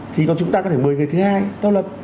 thì còn chúng ta có thể mời người thứ hai tác lập